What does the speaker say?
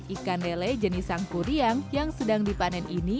ikan lele jenis sangkuriang yang sedang dipanen ini